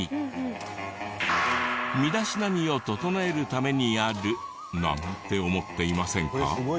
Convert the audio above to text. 身だしなみを整えるためにあるなんて思っていませんか？